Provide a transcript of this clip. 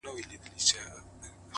خلوت پر شخصيت د عبادت له مينې ژاړي’